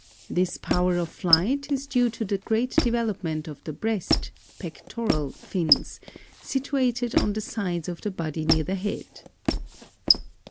This power of flight is due to the great development of the breast (pectoral) fins, situated on the sides of the body near the head.